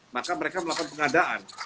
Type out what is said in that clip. maka mereka melakukan pengadaan